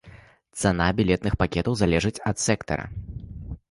Цана білетных пакетаў залежыць ад сектара.